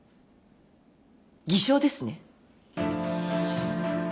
偽証ですね。